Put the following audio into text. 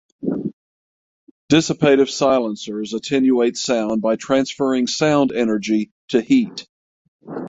Dissipative silencers attenuate sound by transferring sound energy to heat.